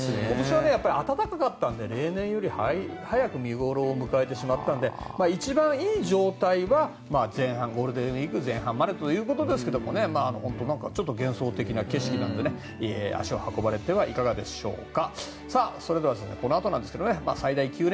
こちら、暖かかったので例年より早く見頃を迎えてしまったので一番いい状態はゴールデンウィーク前半までということですが本当、幻想的な景色なので足を運ばれてはいかがでしょうか。